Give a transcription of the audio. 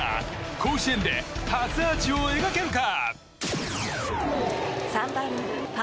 甲子園で初アーチを描けるか。